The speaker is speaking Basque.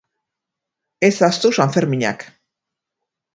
Ez ahaztu Sanferminak.